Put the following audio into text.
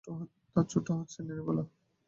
তাঁর ছোটো হচ্ছেন নীরবালা।